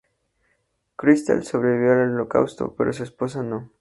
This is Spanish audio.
Kristal sobrevivió al Holocausto, pero su esposa no.